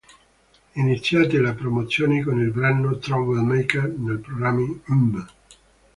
Iniziate le promozioni con il brano "Trouble Maker" nei programmi "M!